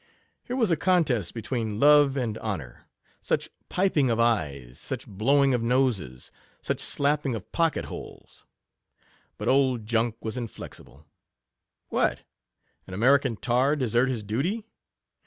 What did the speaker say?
Here was a contest between love and honour — such piping of eyes, such blowing of noses, such slapping of pocket holes! But old Junk was inflexible — What ! an American tar desert his duty!